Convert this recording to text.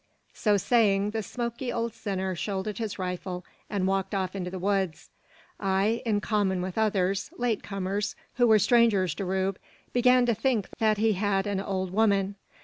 So saying, the smoky old sinner shouldered his rifle, and walked off into the woods. I, in common with others, late comers, who were strangers to Rube, began to think that he had an "old 'oman."